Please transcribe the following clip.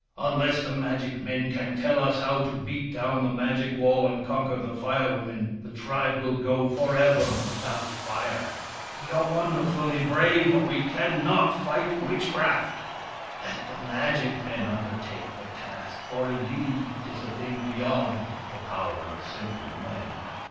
" Unless the magic men can tell us how to beat down the magic wall and conquer the Fire Women, the tribe will go for ever without Fire. We are wonderfully 236 WURIP. THE FIRE BRINGER brave, but we cannot fight witchcraft. Let the magic men undertake the task, for indeed it is a thing beyond the power of simple men.